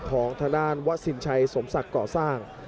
ของทางด้านวัดสินชัยสมศักดิ์ก่อสร้าง